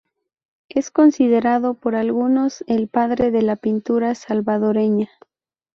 Es considerado por algunos, el padre de la pintura salvadoreña.